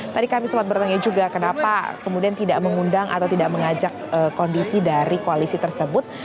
tadi kami sempat bertanya juga kenapa kemudian tidak mengundang atau tidak mengajak kondisi dari koalisi tersebut